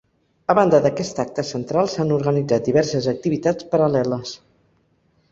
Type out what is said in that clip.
A banda d’aquest acte central, s’han organitzat diverses activitats paral·leles.